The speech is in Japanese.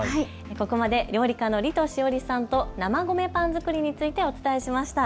ここまで料理家のリト史織さんと生米パン作りについてお伝えしました。